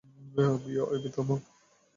প্রিয়া, Abby, থামো।